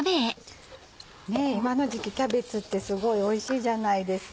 今の時期キャベツってすごいおいしいじゃないですか。